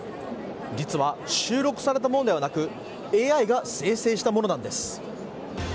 実は収録されたものではなくＡＩが生成したものなんです。